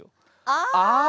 ああ！